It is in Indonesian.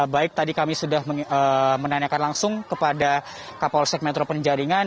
baik tadi kami sudah menanyakan langsung kepada kapolsek metro penjaringan